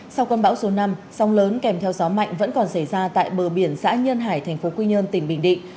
sau con bão số năm sông lớn kèm theo gió mạnh vẫn còn xảy ra tại bờ biển xã nhân hải tp quy nhơn tỉnh bình định